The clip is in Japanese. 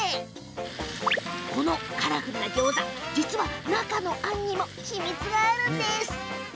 このカラフルギョーザ、実は中のあんにも秘密があるんです。